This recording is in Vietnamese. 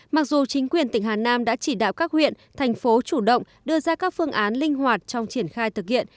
mặc dù chính quyền tỉnh hà nam đã chỉ đạo các huyện thành phố chủ động đưa ra các phương án linh hoạt trong triển khai thực hiện